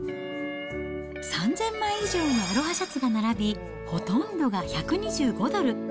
３０００枚以上のアロハシャツが並び、ほとんどが１２５ドル。